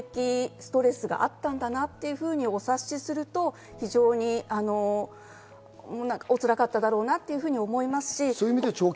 ストレスがあったんだなとお察しすると、非常におつらかっただろうなと思いますし。